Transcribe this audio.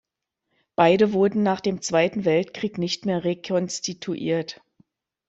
Beide wurden nach dem Zweiten Weltkrieg nicht mehr rekonstituiert.